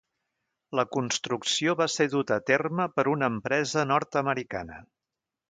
La construcció va ser duta a terme per una empresa nord-americana.